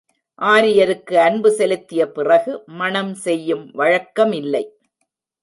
ஆரியருக்கு அன்பு செலுத்திய பிறகு மணம் செய்யும் வழக்கமில்லை.